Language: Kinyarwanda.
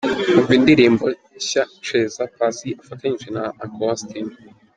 Umva indirimbo nshya " Cheza" Paccy afatanyije na Uncle Austin.